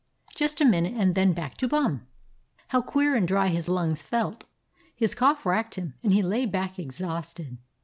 Just a minute, and then back to Bum. How queer and dry his lungs felt. His cough racked him, and he lay back exhausted.